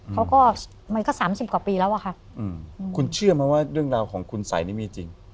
เขาก็มันก็สามสิบกว่าปีแล้วอะค่ะคุณเชื่อไหมว่าเรื่องราวของคุณสัยนี่มีจริง